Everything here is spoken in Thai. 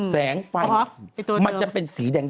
แสงไฟมันจะเป็นสีแดง